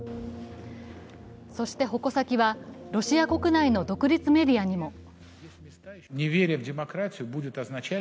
そして矛先はロシア国内の独立メディアにも。